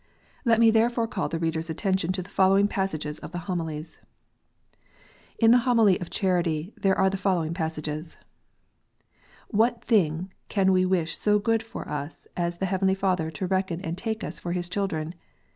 Let me then call the reader s attention to the following passages in the Homilies : In the Homily of Charity there are the following passages : "What thing can we wish so good for us as the heavenly Father to reckon and take us for His children